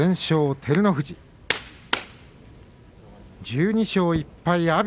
１２勝１敗の阿炎。